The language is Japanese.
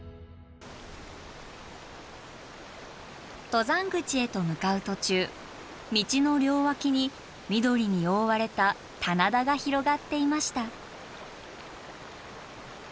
登山口へと向かう途中道の両脇に緑に覆われた棚田が広がっていました。